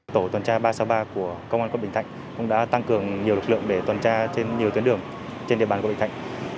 tổ tuần tra ba trăm sáu mươi ba của công an quận bình thạnh cũng đã tăng cường nhiều lực lượng để tuần tra trên nhiều tuyến đường trên địa bàn quận bình thạnh